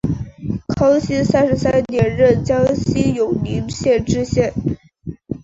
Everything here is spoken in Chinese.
康熙三十三年任江西永宁县知县。